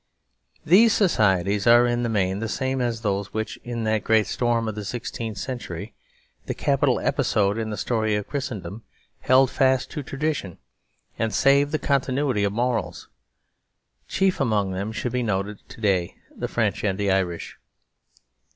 These societies are in the main the same as those which, in that great storm of the sixteenth century, the capital episode in the story of Christendom held fast to tradition and saved the continuity of morals. Chief among them should be noted to day the French and the Irish.